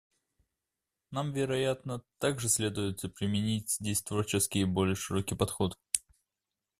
Нам, вероятно, также следует применить здесь творческий и более широкий подход.